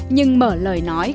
nhưng mở lời nói